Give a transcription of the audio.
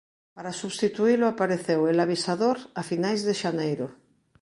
Para substituílo apareceu El Avisador a finais de xaneiro.